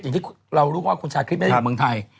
อย่างที่เรารู้ว่าคุณชาคริสไม่ได้อยู่เมืองไทย